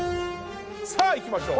さあいきましょう。